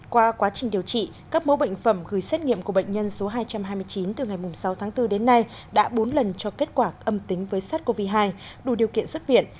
qua quá trình điều trị các mẫu bệnh phẩm gửi xét nghiệm của bệnh nhân số hai trăm hai mươi chín từ ngày sáu tháng bốn đến nay đã bốn lần cho kết quả âm tính với sars cov hai đủ điều kiện xuất viện